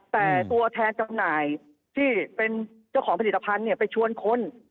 แต่ตัวแทนจำหน่ายที่เป็นเจ้าของผลิตภัณฑ์ไปชวนคน